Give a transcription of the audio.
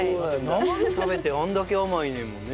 生で食べてあんだけ甘いねんもんね。